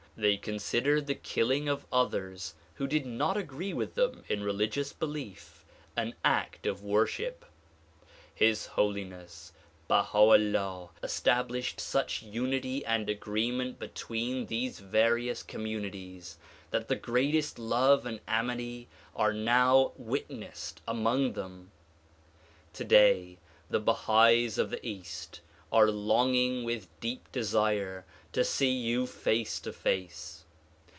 They considered the killing of others who did not agree with them in religious belief, an act of worship. His Holiness Baiia 'Ullah established such unity and agreement between these various communities that the greatest love and amity are now witnessed among them. Today the Bahais of the east are longing with deep desire to see you face to face.